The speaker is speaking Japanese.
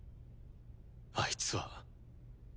あいつは。